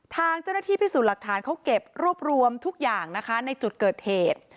ทางเจ้าหน้าที่พิสูจน์หลักฐานเขาเก็บรวบรวมทุกอย่างนะคะในจุดเกิดเหตุ